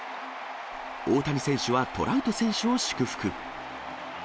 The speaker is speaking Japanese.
大谷選手はトラウト選手を祝福。